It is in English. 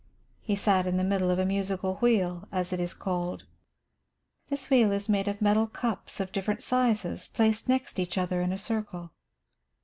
He sat in the middle of a musical wheel, as it is called. This wheel is made of metal cups of different sizes placed next each other in a circle.